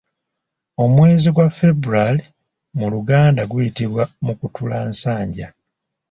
Omwezi gwa February mu luganda guyitibwa Mukutulansanja.